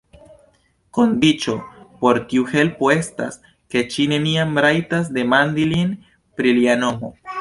Kondiĉo por tiu helpo estas, ke ŝi neniam rajtas demandi lin pri lia nomo.